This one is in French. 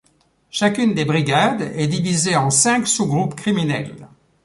Chacune des brigades est divisée en cinq sous-groupes criminels.